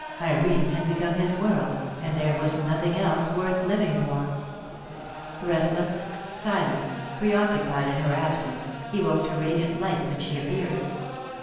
Irene had become his world, and DEAD LOVE HAS CHAINS. 273 there was nothing else worth living for. Restless, silent, pre occupied in her absence, he woke to radiant life when she appeared.